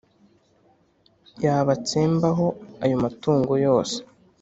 Yabatsembaho ayo matungo yose